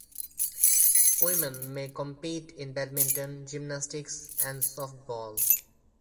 Women may compete in badminton, gymnastics, and softball.